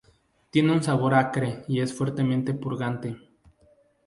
Tiene un sabor acre y es fuertemente purgante.